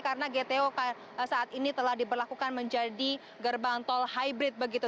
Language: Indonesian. karena gto saat ini telah diberlakukan menjadi gerbang tol hybrid begitu